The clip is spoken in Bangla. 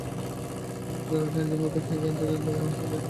তিনি ক্লারা টাইবজার্গের সাথে হেগে আন্তর্জাতিক নারী সম্মেলনে যোগ দিয়েছিলেন।